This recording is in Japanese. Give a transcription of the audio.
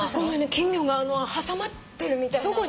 金魚が挟まってるみたいなの。